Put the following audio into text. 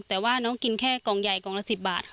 แต่ว่าน้องกินแค่กล่องใหญ่กล่องละ๑๐บาทค่ะ